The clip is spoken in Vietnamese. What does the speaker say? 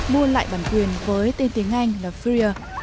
mua lại bản quyền với tên tiếng anh là frier